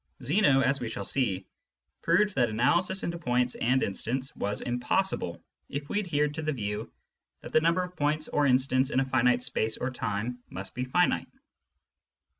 Zeno, as we shall see, proved that analysis into points and instants was impossible if we adhered to the view that the number of points or instants in a finite space or time must be finite.